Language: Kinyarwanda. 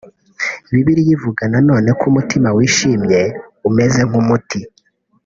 Bibiliya ivuga na none ko umutima wishimye umeze nk’umuti